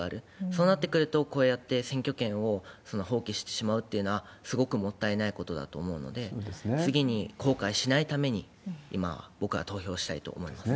そうなってくると、こうやって選挙権を放棄してしまうっていうのは、すごくもったいないことだと思うので、次に後悔しないために、今、僕は投票したいと思います。